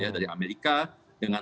dari amerika dengan